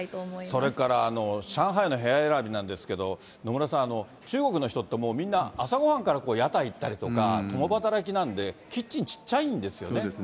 それから上海の部屋選びなんですけど、野村さん、中国の人って、もうみんな、朝ごはんから屋台行ったりとか、共働きなんで、そうですね。